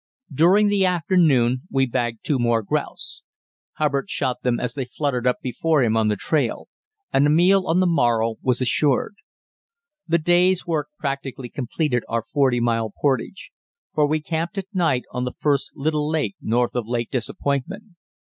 During the afternoon we bagged two more grouse. Hubbard shot them as they fluttered up before him on the trail, and a meal on the morrow was assured. The day's work practically completed our forty mile portage; for we camped at night on the first little lake north of Lake Disappointment.